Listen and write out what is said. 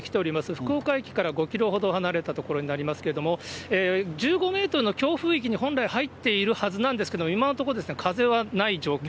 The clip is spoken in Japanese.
福岡駅から５キロほど離れた所になりますけれども、１５メートルの強風域に本来、入っているはずなんですけれども、今のところ、風はない状況。